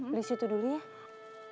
beli situ dulu ya